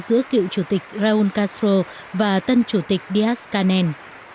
giữa cựu chủ tịch ron castro và tân chủ tịch díaz canem